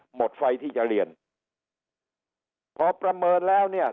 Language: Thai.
หมดไฟที่จะเรียนพอประเมินแล้วเนี่ย